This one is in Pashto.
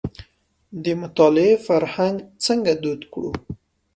د مطالعې فرهنګ څنګه دود کړو.